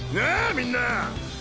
みんな。